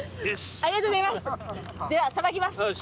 ありがとうございます。